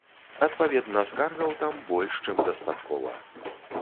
Адпаведна, скаргаў там больш чым дастаткова.